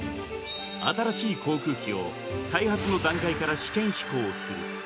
新しい航空機を開発の段階から試験飛行する。